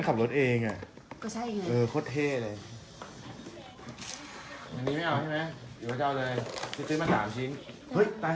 ครับนี่โยเกกตอนนี้ต้องกินนะมันอร่อยมาก